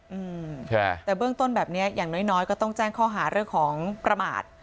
อืมใช่แต่เบื้องต้นแบบนี้อย่างน้อยก็ต้องแจ้งข้อหารึกของประมาท